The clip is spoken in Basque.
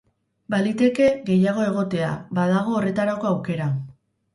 Baliteke gehiago egotea, badago horretarako aukera.